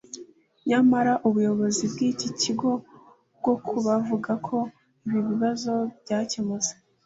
nyamara ubuyobozi bw’iki kigo bwo bukavuga ko ibi bibazo byakemutse